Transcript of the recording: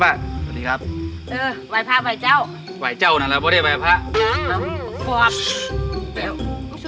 วันดีครับเออไวภาพไวภาพเจ้าไวเจ้าน้ำแล้วประโยชน์ไหวภาอยากสิ